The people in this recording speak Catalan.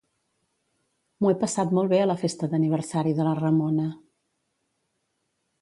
M'ho he passat molt bé a la festa d'aniversari de la Ramona.